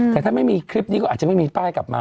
แต่ถ้าไม่มีคลิปนี้ก็อาจจะไม่มีป้ายกลับมา